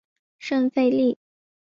圣费利。